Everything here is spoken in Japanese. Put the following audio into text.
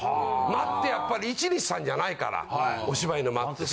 間ってやっぱり１・２・３じゃないからお芝居の間って。